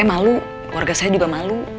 itu alasan bapak minta nyuruh kita pisah